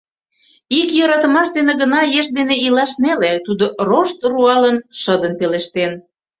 — Ик йӧратымаш дене гына еш дене илаш неле, — тудо рошт руалын, шыдын пелештен.